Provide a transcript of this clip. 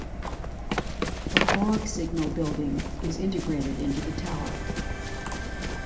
A fog signal building is integrated into the tower.